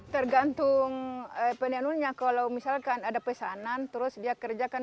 tergantung penenunnya kalau misalkan ada pesanan terus dia kerjakan